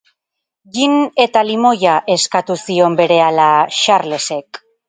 Gin eta limoia, eskatu zion berehala Xarlesek.